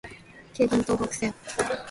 京浜東北線